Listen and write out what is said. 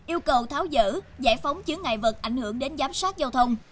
yêu cầu tháo dỡ giải phóng chứa ngại vật ảnh hưởng đến giám sát giao thông